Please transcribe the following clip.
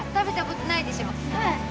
はい。